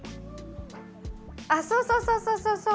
あっそうそうそうそうそうそう！